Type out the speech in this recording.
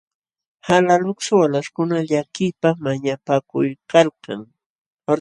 Qalaluksu walaśhkuna llakiypaq mañapakuykalkan.